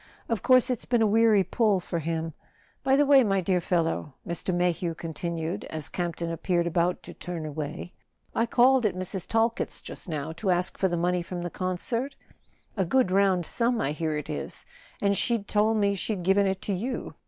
Of course it's been a weary pull for him. By the way, my dear fel¬ low," Mr. Mayhew continued, as Campton appeared about to turn away, "I called at Mrs. Talkett's just now to ask for the money from the concert—a good round sum, I hear it is—and she told me she'd given it to you.